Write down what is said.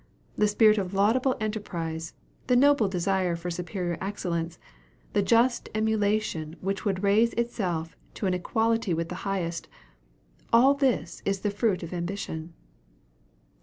The spirit of laudable enterprise, the noble desire for superior excellence, the just emulation which would raise itself to an equality with the highest all this is the fruit of ambition.